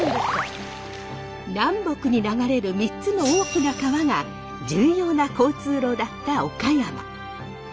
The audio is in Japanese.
南北に流れる３つの大きな川が重要な交通路だった岡山。